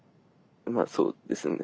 まあそうですね。